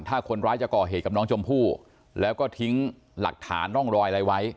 ถ้าคนร้ายจะก่อเหตุกับน้องชมพู่แล้วก็ทิ้งหลักฐานร่องรอยอะไรไว้